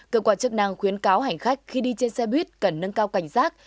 cơ quan chức năng khuyến cáo hành khách khi đi trên xe buýt cần nâng cao cảnh giác